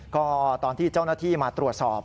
ก็ตอนที่เจ้าหน้าที่มาตรวจสอบ